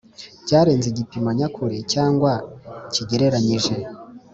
Byarenze igipimo nyakuri cyangwa kigereranyije .